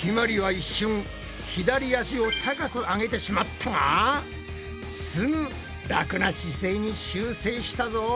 ひまりは一瞬左足を高く上げてしまったがすぐ楽な姿勢に修正したぞ。